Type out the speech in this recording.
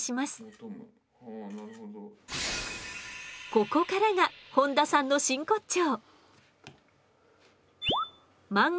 ここからが本多さんの真骨頂！